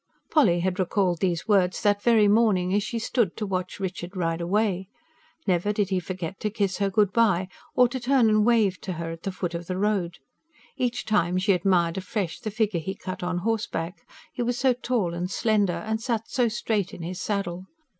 Polly had recalled these words that very morning as she stood to watch Richard ride away: never did he forget to kiss her good bye, or to turn and wave to her at the foot of the road. Each time she admired afresh the figure he cut on horseback: he was so tall and slender, and sat so straight in his saddle.